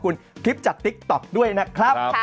โอ้โหโอ้โห